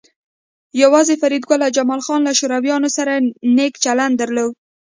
یوازې فریدګل او جمال خان له شورویانو سره نیک چلند درلود